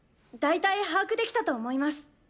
だいたい把握できたと思います。